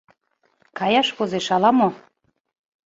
Каяш возеш ала-мо...